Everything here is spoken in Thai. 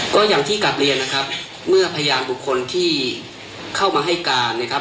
ก็อย่างที่กลับเรียนนะครับเมื่อพยานบุคคลที่เข้ามาให้การนะครับ